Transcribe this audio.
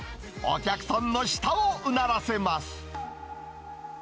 お客さんの舌をうならせます。